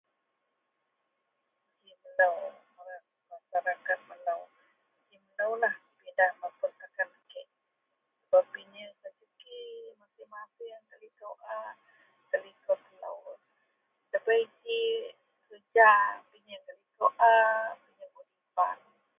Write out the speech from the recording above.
Ji melou dagen masaraket melou, ji meloulah pidah mapun takan kek, bak pinyeang rejeki masieng-masieng gak likou a. Gak likou telou ndabei ji kereja, pinyeang gak likou a, pinyeang bak kan.